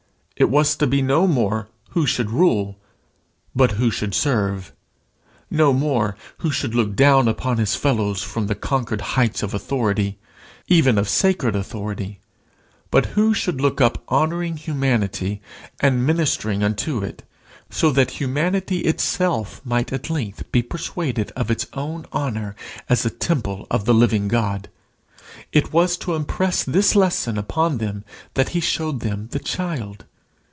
It was to be no more who should rule, but who should serve; no more who should look down upon his fellows from the conquered heights of authority even of sacred authority, but who should look up honouring humanity, and ministering unto it, so that humanity itself might at length be persuaded of its own honour as a temple of the living God. It was to impress this lesson upon them that he showed them the child.